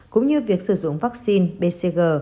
cũng như việc sử dụng vaccine bcg